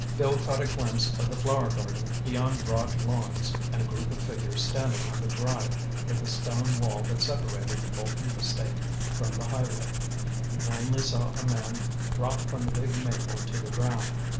Bill caught a glimpse of the flower garden beyond broad lawns, and a group of figures standing on the drive near the stone wall that separated the Bolton estate from the highway. He plainly saw a man drop from the big maple to the ground.